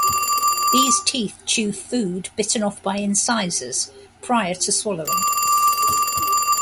These teeth chew food bitten off by incisors, prior to swallowing.